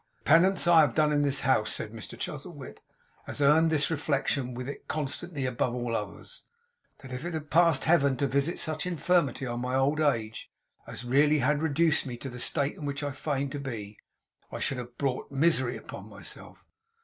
'The penance I have done in this house,' said Mr Chuzzlewit, 'has earned this reflection with it constantly, above all others. That if it had pleased Heaven to visit such infirmity on my old age as really had reduced me to the state in which I feigned to be, I should have brought its misery upon myself.